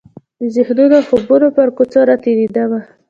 د ذهنونو او خوبونو پر کوڅو راتیریدمه